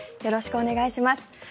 よろしくお願いします。